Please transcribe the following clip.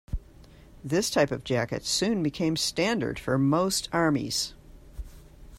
This type of jacket soon became standard for most armies.